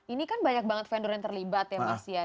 ini kan banyak banget vendor yang terlibat ya mas ya